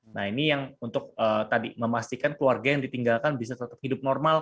nah ini yang untuk tadi memastikan keluarga yang ditinggalkan bisa tetap hidup normal